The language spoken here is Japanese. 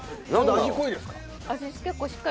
味濃いですか？